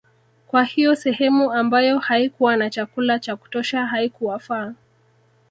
Kwa hiyo sehemu ambayo haikuwa na chakula cha kutosha haikuwafaa